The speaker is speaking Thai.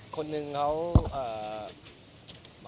คนหนึ่งเขา